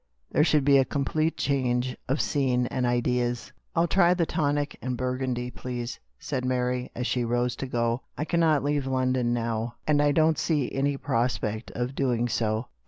There should be a complete change of scene and ideas." "I'll try the tonic and the burgundy, please," said Mary drearily, as she rose to go. " I cannot leave London now ; and I don't see any prospect of doing so.